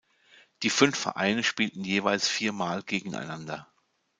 Die fünf Vereine spielten jeweils vier Mal gegeneinander.